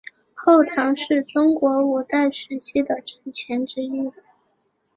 后唐是中国五代时期的政权之一。